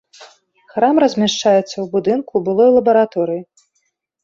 Храм размяшчаецца ў будынку былой лабараторыі.